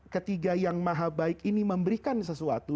ketiga yang maha baik ini memberikan sesuatu